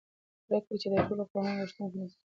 پرېکړې چې د ټولو قومونو غوښتنې په نظر کې ونیسي مشروعې دي